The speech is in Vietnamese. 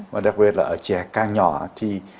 và đặc biệt là ở trẻ càng nhỏ thì